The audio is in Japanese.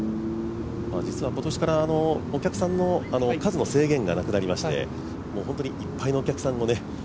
実は今年からお客さんの数の制限がなくなりましてもう本当にいっぱいのお客さんがね。